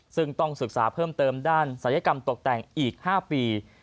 ซึ่งต้องศึกษาเพิ่มเติมด้านศัลยกรรมตกแต่งอีก๕ปี